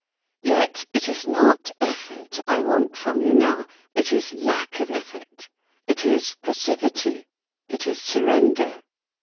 Yet it is not effort I want from you now; it is lack of effort. It is passivity ; it is surrender.